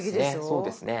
そうですね。